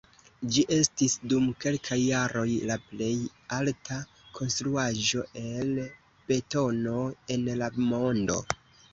Ĝi estis dum kelkaj jaroj la plej alta konstruaĵo el betono en la mondo.